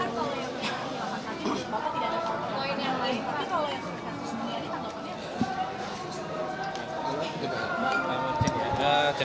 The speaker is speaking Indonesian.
bapak tidak dapat